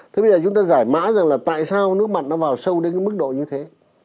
thế bây giờ chúng ta giải mã rằng là tại sao nước mặn nó vào sâu đến cái mức độ như thế